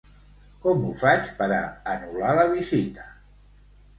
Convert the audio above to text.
Com ho faig per a anul·lar la visita?